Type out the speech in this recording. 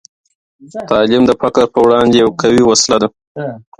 تعلیم د فقر په وړاندې یوه قوي وسله ده.